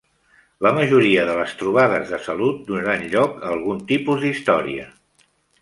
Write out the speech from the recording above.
La majoria de les trobades de salut donaran lloc a algun tipus d'història.